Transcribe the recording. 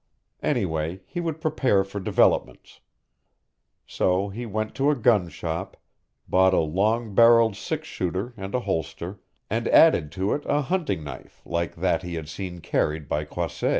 Anyway, he would prepare for developments. So he went to a gun shop, bought a long barreled six shooter and a holster, and added to it a hunting knife like that he had seen carried by Croisset.